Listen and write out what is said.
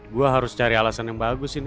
gue harus cari alasan yang bagus ini